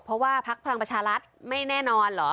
เพราะว่าพักพลังประชารัฐไม่แน่นอนเหรอ